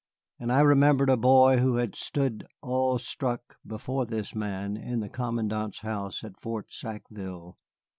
And I remembered a boy who had stood awe struck before this man in the commandant's house at Fort Sackville.